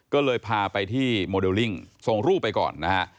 ก็เลยพาไปที่โมเดลลิ่งส่งรูปไปก่อนนะฮะ